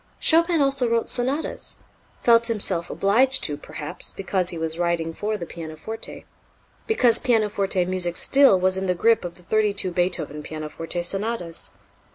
Chopin also wrote Sonatas felt himself obliged to, perhaps, because he was writing for the pianoforte, because pianoforte music still was in the grip of the thirty two Beethoven pianoforte sonatas.